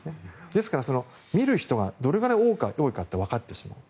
ですから見る人が、どれぐらい多いか分かってしまう。